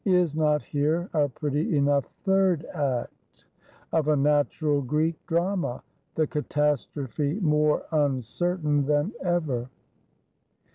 Is not here a pretty enough third act of a natural Greek Drama; the catastrophe more uncertain than ever?